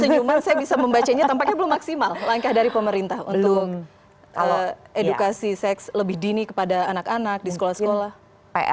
senyuman saya bisa membacanya tampaknya belum maksimal langkah dari pemerintah untuk edukasi seks lebih dini kepada anak anak di sekolah sekolah pr